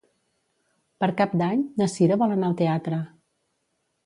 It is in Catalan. Per Cap d'Any na Sira vol anar al teatre.